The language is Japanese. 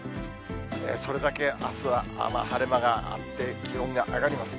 それだけあすは、晴れ間があって、気温が上がります。